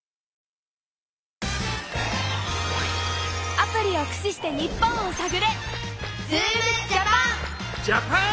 アプリをくしして日本をさぐれ！